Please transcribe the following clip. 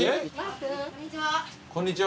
こんにちは。